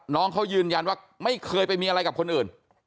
น้องเขายืนยันว่าไม่เคยไปมีอะไรกับคนอื่น